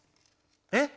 え？